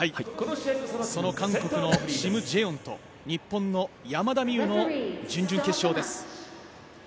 その韓国のシム・ジェヨンと日本の山田美諭の準々決勝です。